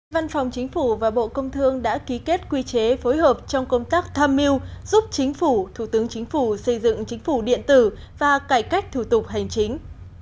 văn phòng chính phủ và bộ công thương đã ký kết quy chế phối hợp trong công tác tham mưu giúp chính phủ thủ tướng chính phủ xây dựng chính phủ điện tử và cải cách thủ tục hành chính